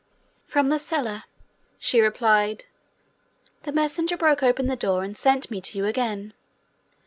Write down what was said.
'From the cellar,' she replied. 'The messenger broke open the door, and sent me to you again.'